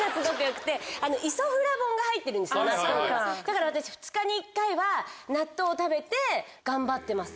だから私２日に１回は納豆を食べて頑張ってます。